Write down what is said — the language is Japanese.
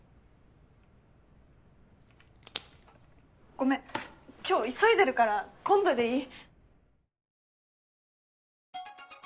ごめん今日急いでるから今度でいい？